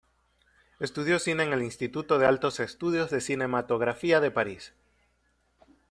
Estudió cine en el Instituto de Altos Estudios de Cinematografía de París.